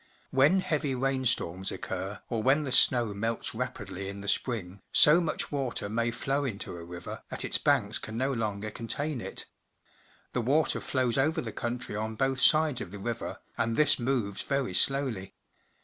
Wlien heavy rainstorms occur, or when the snow melts rapidly in the spring, so much water may flow into a river that its banks can no longer contain it. The water flows over the country on both sides of the river, and this moves very slowly.